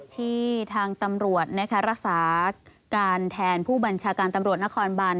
ที่ทางตำรวจรักษาการแทนผู้บัญชาการตำรวจนครบาน